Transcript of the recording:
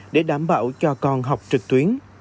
để đảm bảo cho con học trực tuyến